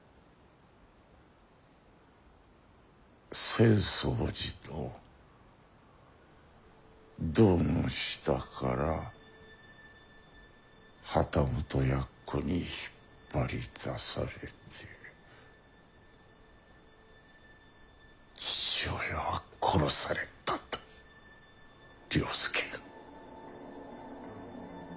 「浅草寺の堂の下から旗本奴に引っ張り出されて父親は殺された」と了助が。